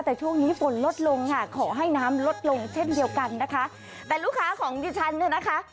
แต่ช่วงนี้ฝนลดลงค่ะขอให้น้ำลดลงเช่นเดียวกันนะคะแต่ลูกค้าของดิฉันเนี่ยนะคะ